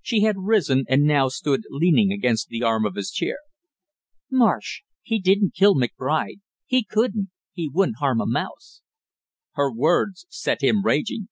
She had risen and now stood leaning against the arm of his chair. "Marsh, he didn't kill McBride; he couldn't, he wouldn't harm a mouse!" Her words set him raging.